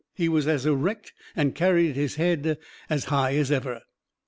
he was as erect and carried his head as high as ever.